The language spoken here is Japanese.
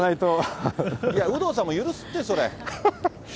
有働さんも許すって、それ。